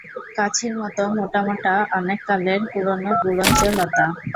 কাছির মতো মোটা মোটা অনেককালের পুরোনো গুলঞ্চ লতা।